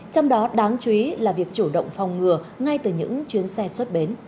trong đó đáng chú ý là việc chủ động phòng ngừa ngay từ những chuyến xe xuất bến